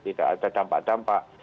tidak ada dampak dampak